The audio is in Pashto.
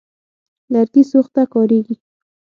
لرګي سوخت ته کارېږي.